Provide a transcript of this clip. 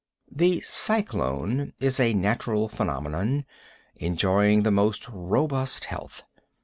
The cyclone is a natural phenomenon, enjoying the most robust health.